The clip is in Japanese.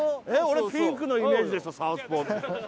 俺ピンクのイメージでした「サウスポー」。